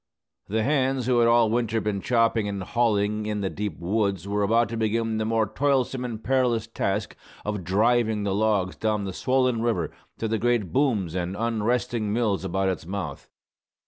The hands who had all winter been chopping and hauling in the deep woods were about to begin the more toilsome and perilous task of "driving" the logs down the swollen river to the great booms and unresting mills about its mouth.